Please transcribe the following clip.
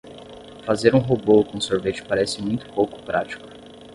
Fazer um robô com sorvete parece muito pouco prático.